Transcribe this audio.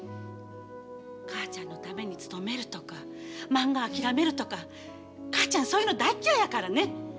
母ちゃんのために勤めるとかまんが諦めるとか母ちゃんそういうの大嫌いやからね。